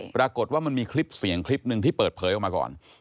ปรากฏว่ามันมีคลิปเสียงคลิปหนึ่งที่เปิดเผยออกมาก่อน